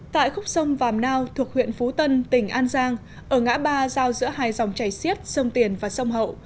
tại khúc sông vàm nao thuộc huyện phú tân tỉnh an giang ở ngã ba giao giữa hai dòng chảy xiết sông tiền và sông hậu